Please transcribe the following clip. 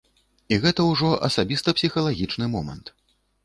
І гэта ўжо асабіста-псіхалагічны момант.